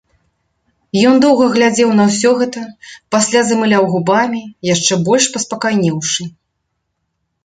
Ён доўга глядзеў на ўсё гэта, пасля замыляў губамі, яшчэ больш паспакайнеўшы.